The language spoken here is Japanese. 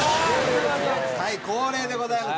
はい恒例でございます。